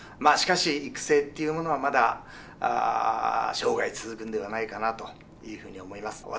しかし育成っていうものはまだ生涯続くんではないかなというふうに思います。